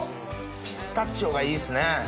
ピスタチオがいいっすね。